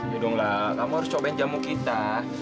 ya dong lah kamu harus cobain jamu kita